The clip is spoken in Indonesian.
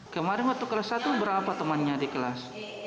kemarin waktu kelas satu berapa temannya di kelas